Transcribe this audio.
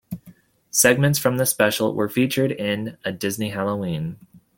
Segments from this special were featured in "A Disney Halloween".